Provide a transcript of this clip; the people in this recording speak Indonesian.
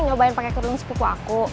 nyobain pakai kurning sepuku aku